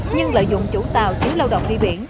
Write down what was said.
nhưng lợi dụng chủ tàu tiến lao động đi biển